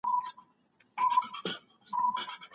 تاسي باید په ارام ځای کي مراقبه وکړئ.